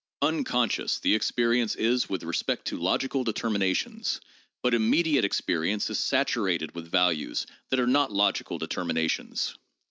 'Unconscious' the experience is with respect to logical determinations; but immediate experience is sat urated with values that are not logical determinations.